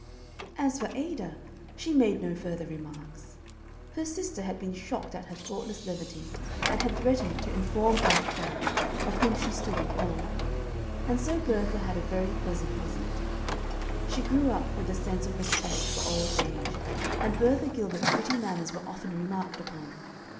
As for Ada, she made no further remarks. Her sister had been shocked at her thoughtless levity, and had threatened to inform Aunt Bell, of whom she stood in awe; and so Bertha had a very pleasant visit. She grew up with a sense of respect for old age; and Bertha Gilbert's pretty manners were often remarked upon.